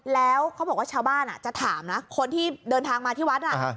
แล้วเขาบอกว่าชาวบ้านจะถามนะคนที่เดินทางมาที่วัด